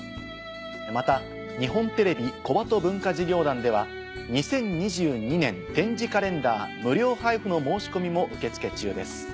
また日本テレビ小鳩文化事業団では２０２２年点字カレンダー無料配布の申し込みも受け付け中です。